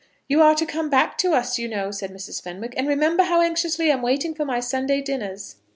"You are to come back to us, you know," said Mrs. Fenwick, "and remember how anxiously I am waiting for my Sunday dinners."